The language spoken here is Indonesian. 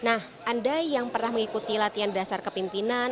nah anda yang pernah mengikuti latihan dasar kepimpinan